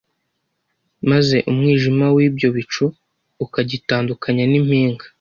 maze umwijima w’ibyo bicu ukagitandukanya n’impinga